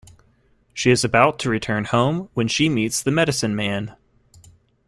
She is about to return home when she meets the medicine man.